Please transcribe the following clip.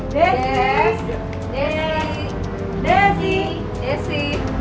desi desi desi desi